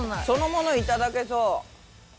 そのものをいただけそう。